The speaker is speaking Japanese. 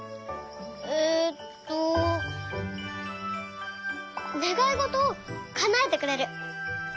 えっとねがいごとをかなえてくれる。